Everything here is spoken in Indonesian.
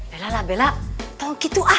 belalah bella tolong gitu ah